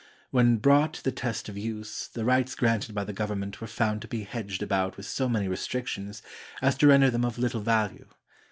When brought to the test of use, the rights granted by the Government were found to be hedged about with so many restrictions as to render them of little value.